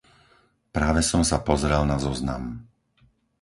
Práve som sa pozrel na zoznam.